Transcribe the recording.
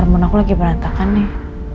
hormon aku lagi berantakan nih